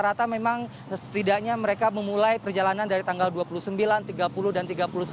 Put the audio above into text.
rata memang setidaknya mereka memulai perjalanan dari tanggal dua puluh sembilan tiga puluh dan tiga puluh satu